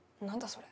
それ。